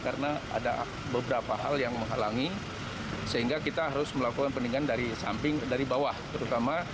karena ada beberapa hal yang menghalangi sehingga kita harus melakukan pendinginan dari samping dari bawah terutama